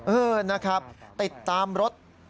เออนะครับติดตามรถ